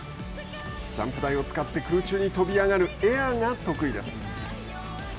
ジャンプ台を使って空中に飛び上がる「エア」が得意です。